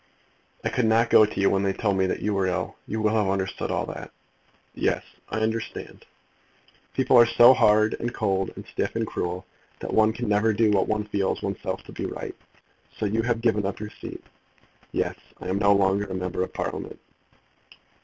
"I could not go to you when they told me that you were ill. You will have understood all that?" "Yes; I understand." "People are so hard, and cold, and stiff, and cruel, that one can never do what one feels, oneself, to be right. So you have given up your seat." "Yes, I am no longer a Member of Parliament."